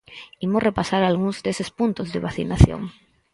Imos repasar algúns deses puntos de vacinación...